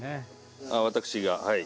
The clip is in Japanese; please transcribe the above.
「私がはい」